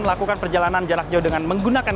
melakukan perjalanan jarak jauh dengan menggunakan